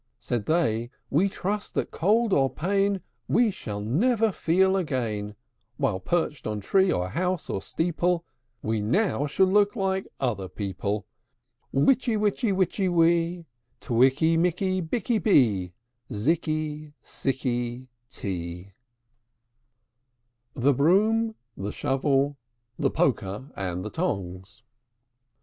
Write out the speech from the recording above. Said they, "We trust that cold or pain We shall never feel again; While, perched on tree or house or steeple, We now shall look like other people. Witchy witchy witchy wee, Twikky mikky bikky bee, Zikky sikky tee!" THE BROOM, THE SHOVEL, THE POKER, AND THE TONGS. I.